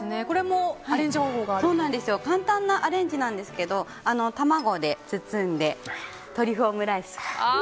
簡単なアレンジなんですけど卵で包んでトリュフオムライス。